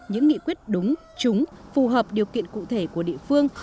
những nghị quyết đúng trúng phù hợp điều kiện cụ thể của địa phương